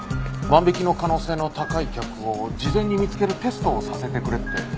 万引きの可能性の高い客を事前に見つけるテストをさせてくれって。